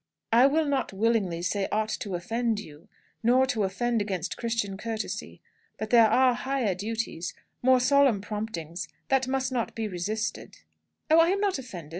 "I will not willingly say aught to offend you, nor to offend against Christian courtesy. But there are higher duties more solemn promptings that must not be resisted." "Oh, I am not offended.